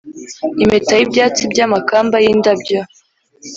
impeta y'ibyatsi by'amakamba y'indabyo